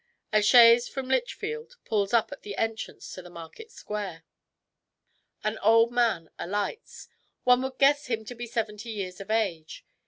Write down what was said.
A chaise from Lichfield pulls up at the entrance to the market square. An old man alights. One would guess him to be seventy years of age.